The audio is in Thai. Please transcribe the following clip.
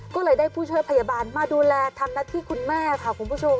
ก็เลยได้ผู้ช่วยพยาบาลมาดูแลทำหน้าที่คุณแม่ค่ะคุณผู้ชม